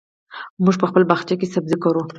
موږ په خپل باغچه کې سبزي کرو.